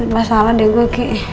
masalah deh gue ki